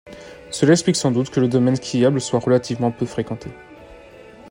Cela explique sans doute que le domaine skiable soit relativement peu fréquenté.